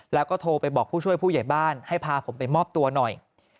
แล้วก็โทรไปบอกผู้ช่วยผู้ใหญ่บ้านให้พาผมไปมอบตัวหน่อย